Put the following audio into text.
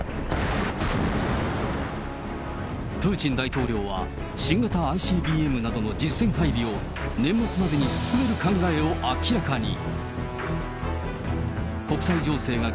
プーチン大統領は、新型ＩＣＢＭなどの実戦配備を年末までに進める考えを明らかに。